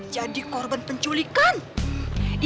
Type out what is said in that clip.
jadi korban penculiknya